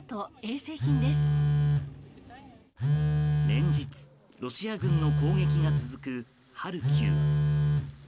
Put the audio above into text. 連日、ロシア軍の攻撃が続くハルキウ。